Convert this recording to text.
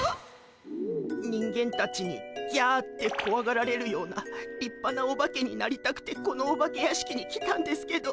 人間たちにギャってこわがられるような立派なオバケになりたくてこのお化け屋敷に来たんですけど。